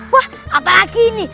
wah apalagi ini